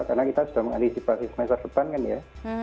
karena kita sudah mengantisipasi semester depan kan ya